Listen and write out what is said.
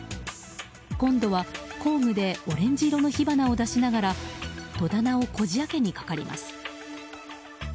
今度は工具でオレンジ色の火花を出しながら戸棚をこじ開けにかかります。